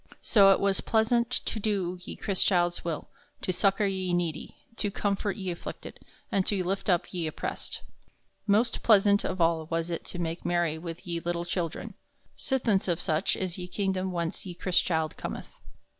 So it was plaisaunt to do ye Chrystchilde's will, to succor ye needy, to comfort ye afflicted, and to lift up ye oppressed. Most plaisauntest of all was it to make merry with ye lyttle children, sithence of soche is ye kingdom whence ye Chrystchilde cometh.